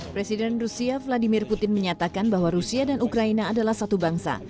presiden rusia vladimir putin menyatakan bahwa rusia dan ukraina adalah satu bangsa